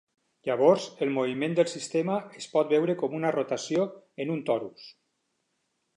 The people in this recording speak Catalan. Llavors, el moviment del sistema es pot veure com una rotació en un torus.